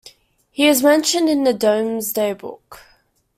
He is mentioned in the Domesday Book.